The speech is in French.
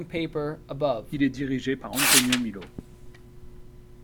Il est dirigé par Antonio Milo.